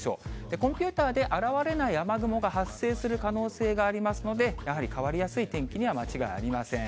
コンピューターであらわれない雨雲が発生する可能性がありますので、やはり変わりやすい天気には間違いありません。